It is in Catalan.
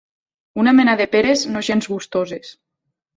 Una mena de peres no gens gustoses.